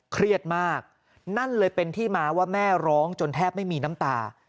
เครียดมากนั่นเลยเป็นที่มาว่าแม่ร้องจนแทบไม่มีน้ำตา